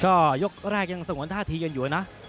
ก็ยกแรกยังสงวนท่าทีกันอยู่นะ